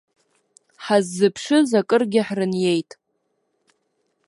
Ҳаззыԥшыз акыргьы ҳрыниеит.